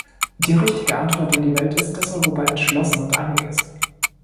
Die richtige Antwort an die Welt ist, dass Europa entschlossen und einig ist.